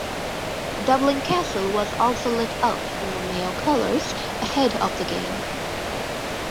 Dublin Castle was also lit up in the Mayo colours ahead of the game.